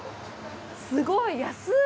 すごい安い！